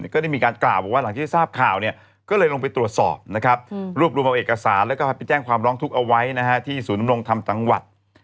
ก็ได้มีการกล่าวบอกว่าหลังที่ทราบข่าวเนี่ยก็เลยลงไปตรวจสอบนะครับรวบรวมเอาเอกสารแล้วก็ไปแจ้งความร้องทุกข์เอาไว้ที่ศูนยำรงธรรมจังหวัด